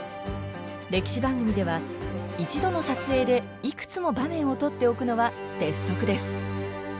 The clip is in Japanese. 歴史番組では一度の撮影でいくつも場面を撮っておくのは鉄則です。